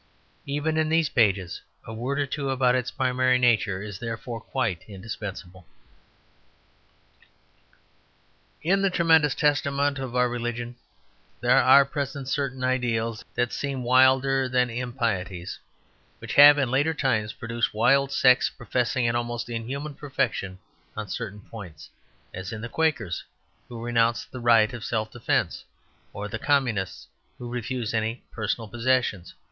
Even in these pages a word or two about its primary nature is therefore quite indispensable. In the tremendous testament of our religion there are present certain ideals that seem wilder than impieties, which have in later times produced wild sects professing an almost inhuman perfection on certain points; as in the Quakers who renounce the right of self defence, or the Communists who refuse any personal possessions.